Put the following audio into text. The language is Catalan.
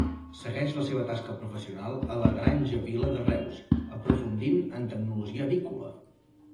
Segueix la seva tasca professional a la Granja Vila de Reus, aprofundint en tecnologia avícola.